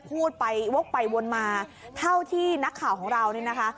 พูดไปวกไปวนมาเท่าที่นักข่าวของเราเนี่ยนะคะ